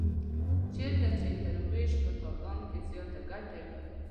چېرته چې تر وېش په تالان کې زیاته ګټه وي.